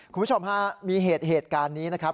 คุณผู้ชมฮะมีเหตุการณ์นี้นะครับ